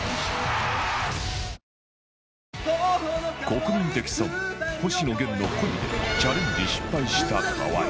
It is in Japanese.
国民的ソング星野源の『恋』でチャレンジ失敗した河合